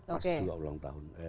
pas juga ulang tahun